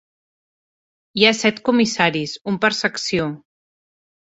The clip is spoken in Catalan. Hi ha set comissaris, un per secció.